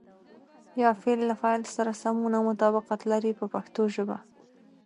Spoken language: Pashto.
یا فعل له فاعل سره سمون او مطابقت لري په پښتو ژبه.